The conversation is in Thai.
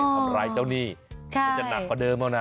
ทำร้ายเจ้าหนี้มันจะหนักกว่าเดิมบ้างนะ